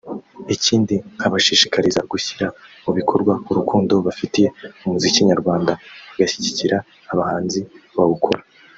ikindi nkabashishikariza gushyira mu bikorwa urukundo bafitiye umuzikinyarwanda bagashyigikiira abahanzi bawukora